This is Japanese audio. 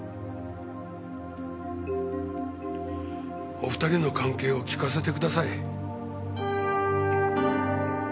お２人の関係を聞かせてください。